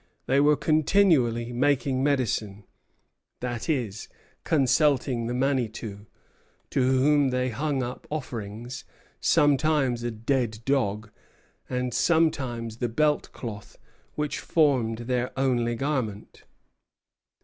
They were continually "making medicine," that is, consulting the Manitou, to whom they hung up offerings, sometimes a dead dog, and sometimes the belt cloth which formed their only garment.